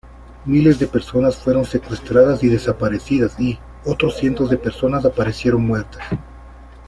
Miles de personas fueron secuestradas y desaparecidas y, otro cientos de personas aparecieron muertas.